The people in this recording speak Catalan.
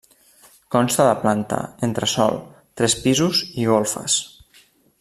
Consta de planta, entresòl, tres pisos i golfes.